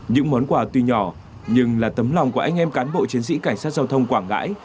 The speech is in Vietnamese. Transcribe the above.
những món quà tuy nhỏ nhưng là tấm lòng của anh em cán bộ chiến sĩ cảnh sát giao thông quảng ngãi